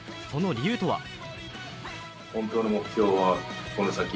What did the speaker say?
その理由とは？